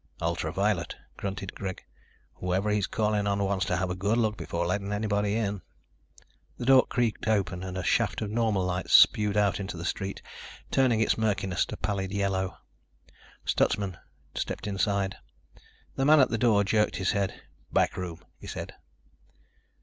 "Ultra violet," grunted Greg. "Whoever he's calling on wants to have a good look before letting anybody in." The door creaked open and a shaft of normal light spewed out into the street, turning its murkiness to pallid yellow. Stutsman stepped inside. The man at the door jerked his head. "Back room," he said.